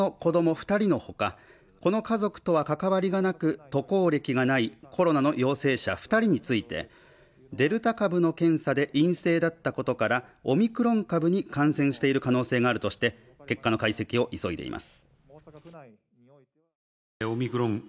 二人のほかこの家族とは関わりがなく渡航歴がないコロナの陽性者二人についてデルタ株の検査で陰性だったことからオミクロン株に感染している可能性があるとして結果の解析を急いでいます